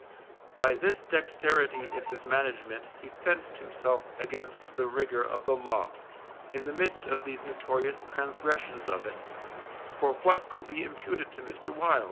By this dexterity in his management he fenced himself against the rigour of the law, in the midst of these notorious transgressions of it, for what could be imputed to Mr. Wild?